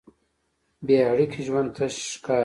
بېاړیکې ژوند تش ښکاري.